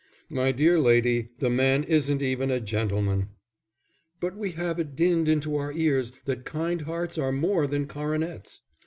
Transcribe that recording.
"My dear lady, the man isn't even a gentleman." "But we have it dinned into our ears that kind hearts are more than coronets."